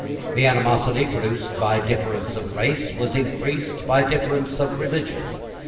The animosity produced by difference of race was increased by difference of religion.